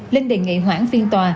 linh đề nghị hoãn phiên tòa